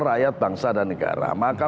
rakyat bangsa dan negara maka